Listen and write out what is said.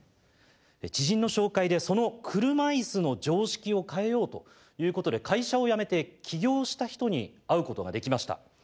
知人の紹介でその車いすの常識を変えようということで会社を辞めて起業した人に会うことができました。